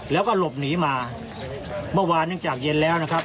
แล้วก็หลบหนีมาเมื่อวานเนื่องจากเย็นแล้วนะครับ